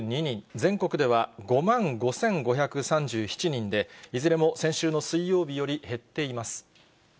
全国では５万５５３７人で、いずれも先週の水曜日より減っています。